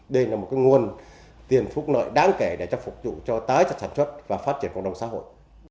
đây là một nguồn tiền phúc lợi đáng kể để cho phục vụ cho tái sản xuất và phát triển cộng đồng xã hội